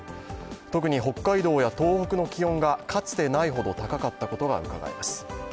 特に北海道や東北の気温がかつてないほど高かったことがうかがえます。